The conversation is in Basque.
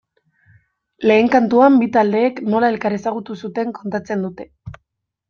Lehen kantuan bi taldeek nola elkar ezagutu zuten kontatzen dute.